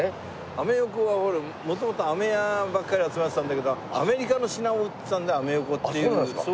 アメ横は元々あめ屋ばっかり集まってたんだけどアメリカの品を売ってたので「アメ横」っていうそういうね。